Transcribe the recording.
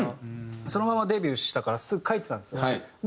そのままデビューしたからすぐ書いてたんですよね。